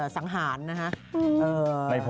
สังหารนะฮะ